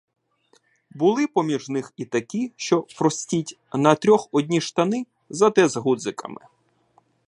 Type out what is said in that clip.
Були поміж них і такі, що, простіть, на трьох одні штани, зате з ґудзиками.